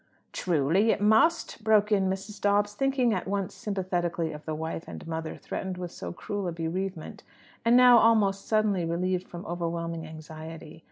"Truly it must!" broke in Mrs. Dobbs, thinking at once sympathetically of the wife and mother threatened with so cruel a bereavement, and now almost suddenly relieved from overwhelming anxiety.